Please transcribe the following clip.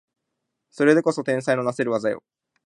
それでこそ天才のなせる技よ